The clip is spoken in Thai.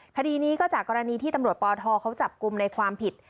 คดีนี้ก็จากกรณีที่ตำรวจปทเขาจับกลุ่มในความผิด